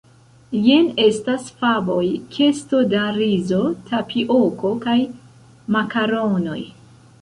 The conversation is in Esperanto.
Jen estas faboj, kesto da rizo, tapioko kaj makaronoj.